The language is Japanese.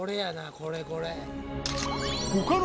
これこれ。